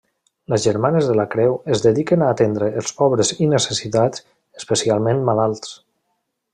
Les Germanes de la Creu es dediquen a atendre els pobres i necessitats, especialment malalts.